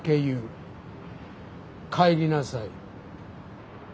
帰りなさい。